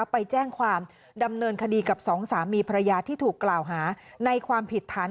ไปแจ้งความดำเนินคดีกับสองสามีภรรยาที่ถูกกล่าวหาในความผิดฐาน